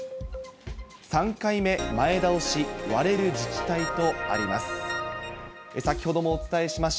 ３回目前倒し割れる自治体とあります。